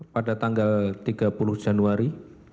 pada tanggal tiga puluh januari